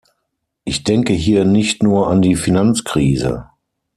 Ich denke hier nicht nur an die Finanzkrise.